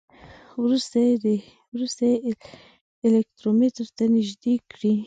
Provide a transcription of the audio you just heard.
وروسته یې الکترومتر ته نژدې کړئ.